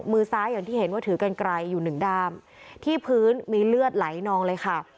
มือซ้ายอย่างที่เห็นว่าถือกันไกลอยู่หนึ่งด้ามที่พื้นมีเลือดไหลนองเลยค่ะ